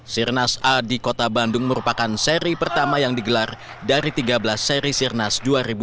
sirnas a di kota bandung merupakan seri pertama yang digelar dari tiga belas seri sirnas dua ribu dua puluh